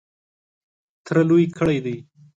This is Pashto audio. تره لوی کړی دی .